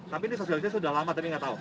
tapi ini sosialisasi sudah lama tapi nggak tahu